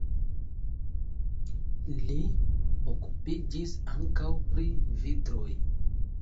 Li okupiĝis ankaŭ pri vitroj.